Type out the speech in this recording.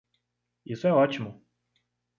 Isso é ótimo!